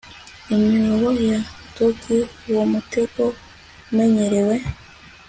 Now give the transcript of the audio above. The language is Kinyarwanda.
Imyobo ya dodgy uwo mutego umenyerewe